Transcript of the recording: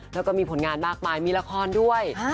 แล้วก็มีผลงานมากมายมีละครด้วย